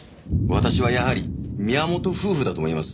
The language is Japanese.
私はやはり宮本夫婦だと思います。